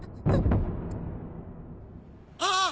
あっ！